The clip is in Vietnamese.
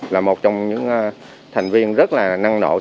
là một trong những thành viên rất là năng nổ